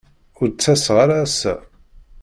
Ur d-ttaseɣ ara assa.